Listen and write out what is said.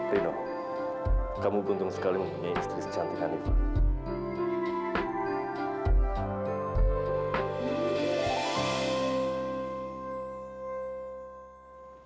rino kamu keuntung sekali memiliki istri secantik hanifah